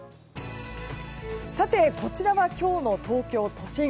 さて、こちらは今日の東京都心。